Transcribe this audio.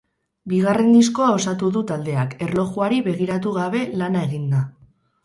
Bigarren diskoa osatu du taldeak, erlojuari begiratu gabe lana eginda.